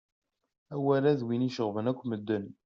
Awal-a d win iceɣben akk medden.